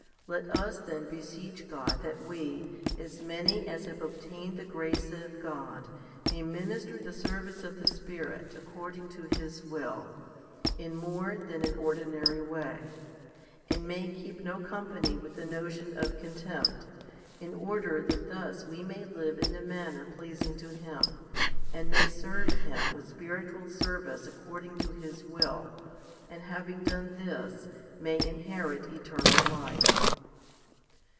Let us then beseech God that we, as many as have obtained the grace of God, may minister the service of the Spirit according to His will, in 1 i Cor. ix. 27. HOMILY XV 109 more than an ordinary way, and may keep no company with the notion of contempt, in order that thus we may live in a manner pleasing to Him, and may serve Him with spiritual service according to His will, and having done this may inherit eternal life.